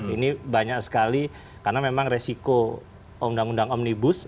ini banyak sekali karena memang resiko undang undang omnibus